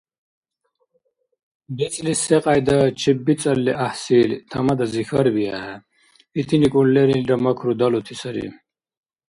БецӀлис секӀяйда чеббицӀалли гӀяхӀсил, Тамадази хьарбиэхӀе, итиникӀун лерилра макру далути сари.